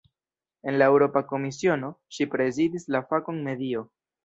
En la Eŭropa Komisiono, ŝi prezidis la fakon "medio".